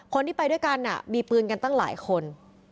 คนที่ไปด้วยกันมีปืนกันตั้งหลายคน